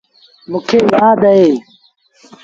موݩ کي يآد اهي۔